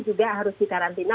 juga harus di karantina